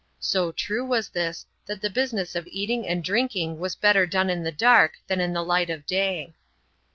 So true was this, that the business of eating and drinking was better done in the dark than in the light of day.